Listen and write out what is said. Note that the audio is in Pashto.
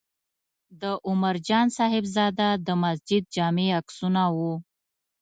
د عمر جان صاحبزاده د مسجد جامع عکسونه و.